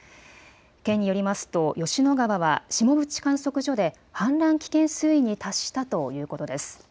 県によりますと吉野川は下渕観測所で氾濫危険水位に達したということです。